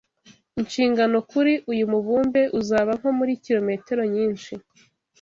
"Inshingano kuri" uyu mubumbe uzaba nko muri kilometero nyinshi